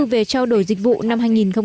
về trao đổi dịch vụ năm hai nghìn một mươi năm